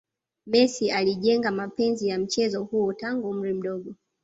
messi alijenga mapenzi ya mchezo huo tangu umri mdogo